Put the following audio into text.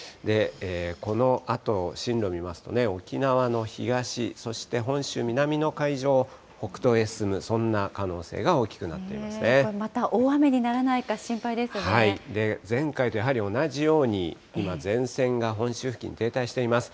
このあと、進路を見ますと、沖縄の東、そして本州南の海上、北東へ進む、そんな可能性が大きくなっていままた大雨にならないか心配で前回とやはり同じように、今、前線が本州付近に停滞しています。